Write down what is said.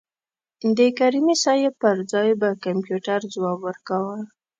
د کریمي صیب پر ځای به کمپیوټر ځواب ورکاوه.